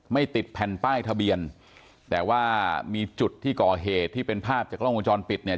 ติดแผ่นป้ายทะเบียนแต่ว่ามีจุดที่ก่อเหตุที่เป็นภาพจากกล้องวงจรปิดเนี่ย